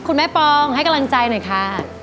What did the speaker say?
คุณแม่ปองให้กำลังใจหน่อยค่ะ